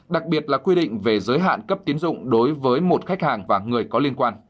đặc biệt là quy định về giới hạn cấp tiến dụng đối với một khách hàng và người có liên quan